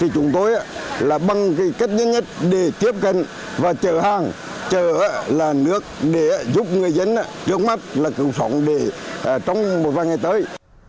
chúng tôi bằng cách nhất nhất để tiếp cận và chở hàng chở nước để giúp người dân trước mắt là cường sống để trong một vài ngày tới